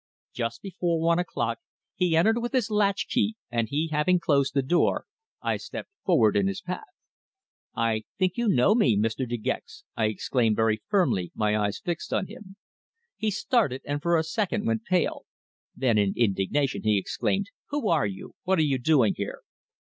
Just before one o'clock he entered with his latchkey, and he having closed the door I stepped forward in his path. "I think you know me Mr. De Gex!" I exclaimed very firmly, my eyes fixed on him. He started, and for a second went pale. Then in indignation, he exclaimed: "Who are you? What are you doing here?"